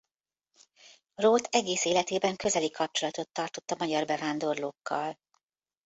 Róth egész életében közeli kapcsolatot tartott a magyar bevándorlókkal.